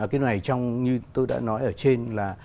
cái này trong như tôi đã nói ở trên là